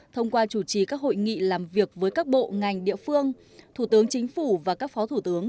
thông qua chủ trì các hội nghị làm việc với các bộ ngành địa phương thủ tướng chính phủ và các phó thủ tướng